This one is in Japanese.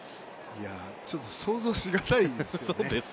ちょっと想像し難いですね。